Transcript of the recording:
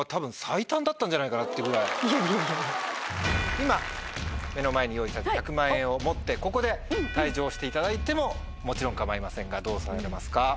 今目の前に用意された１００万円を持ってここで退場していただいてももちろん構いませんがどうされますか？